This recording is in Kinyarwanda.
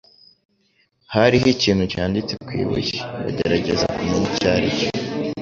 Hariho ikintu cyanditse ku ibuye, bagerageza kumenya icyo aricyo